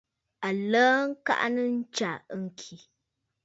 Aləə kaʼanə ntsya ŋkì.